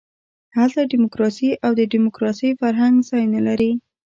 هلته ډیموکراسي او د ډیموکراسۍ فرهنګ ځای نه لري.